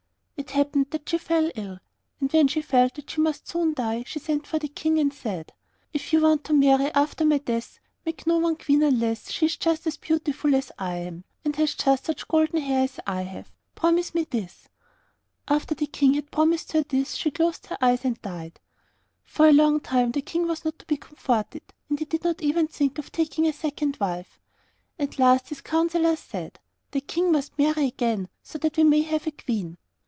It happened that she fell ill, and when she felt that she must soon die, she sent for the King, and said, 'If you want to marry after my death, make no one queen unless she is just as beautiful as I am, and has just such golden hair as I have. Promise me this.' After the King had promised her this, she closed her eyes and died. For a long time the King was not to be comforted, and he did not even think of taking a second wife. At last his councillors said, 'The King must marry again, so that we may have a queen.